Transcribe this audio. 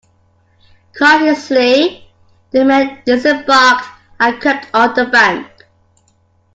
Cautiously the men disembarked and crept up the bank.